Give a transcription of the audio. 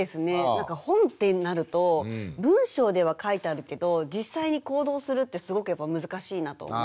なんか本ってなると文章では書いてあるけど実際に行動するってすごくやっぱ難しいなと思って。